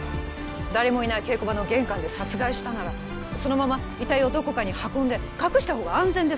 誰もいない稽古場の玄関で殺害したならそのまま遺体をどこかに運んで隠したほうが安全です